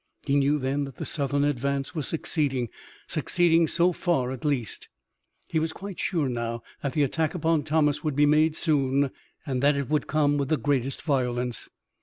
He knew then that the Southern advance was succeeding, succeeding so far at least. He was quite sure now that the attack upon Thomas would be made soon and that it would come with the greatest violence.